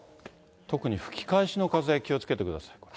特に、吹き返しの風、気をつけてください。